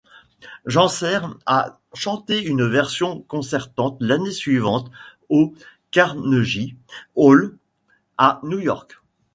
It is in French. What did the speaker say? Gencer a chanté une version concertante l'année suivante au Carnegie Hall, à New York.